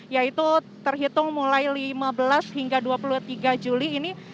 yaitu terhitung mulai lima belas hingga dua puluh tiga juli ini